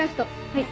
はい。